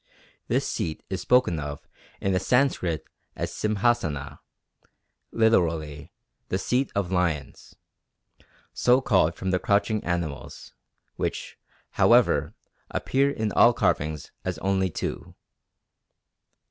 This seat is spoken of in the Sanskrit as Simhasana, literally "the seat of lions," so called from the crouching animals, which, however, appear in all carvings as only two.